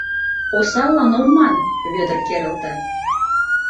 — Осаллан ом ман, — Вӧдыр керылте.